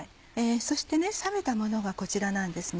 そして冷めたものがこちらなんですね。